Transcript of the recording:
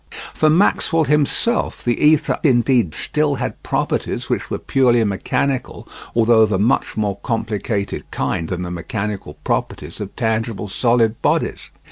For Maxwell himself the ether indeed still had properties which were purely mechanical, although of a much more complicated kind than the mechanical properties of tangible solid bodies.